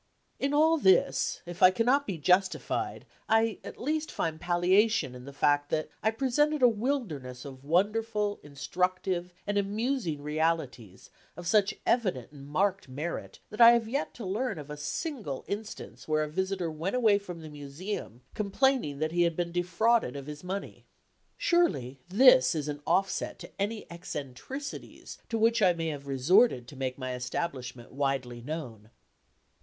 In all this, if I cannot be justified, I at least find palliation in the fact that I presented a wilderness of wonderful, instructive and amusing realities of such evident and marked merit that I have yet to learn of a single instance where a visitor went away from the Museum complaining that he had been defrauded of his money. Surely this is an offset to any eccentricities to which I may have resorted to make my establishment widely known.